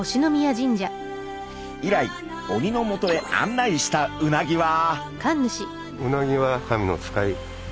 以来鬼のもとへ案内したうなぎは。